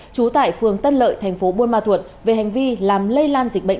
trú tại phường tân lợi thành phố buôn ma thuột về hành vi làm lây lan dịch bệnh